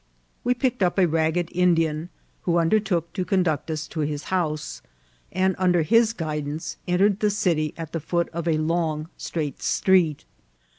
. We picked up a ragged Indian, who undertook to conduct us to his house, and under his guidance enter ed the city at the foot of a long straight street.